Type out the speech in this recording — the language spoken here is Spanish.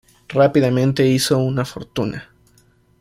Rápidamente hizo una fortuna.